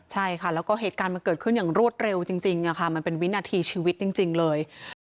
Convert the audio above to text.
ใช่ค่ะแล้วก็เหตุการณ์มันเกิดขึ้นอย่างรวดเร็วจริงมันเป็นวินาทีชีวิตจริงเลย